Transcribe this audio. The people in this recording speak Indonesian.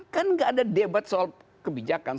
kan gak ada debat soal kebijakan